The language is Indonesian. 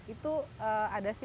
itu ada sih